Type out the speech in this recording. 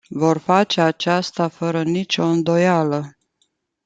Vor face aceasta, fără nicio îndoială.